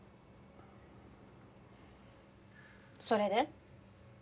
それで？